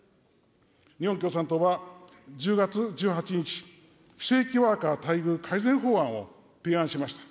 日本共産党は、１０月１８日、非正規ワーカー待遇改善法案を提案しました。